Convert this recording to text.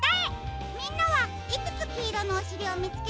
みんなはいくつきいろのおしりをみつけられたかな？